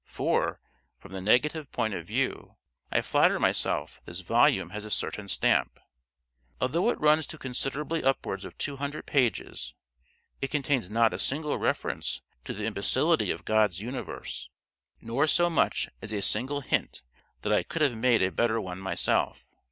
for, from the negative point of view, I flatter myself this volume has a certain stamp. Although it runs to considerably upwards of two hundred pages, it contains not a single reference to the imbecility of God's universe, nor so much as a single hint that I could have made a better one myself.